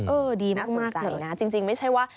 เออดีมากเลยนะน่าสนใจนะจริงไม่ใช่ว่า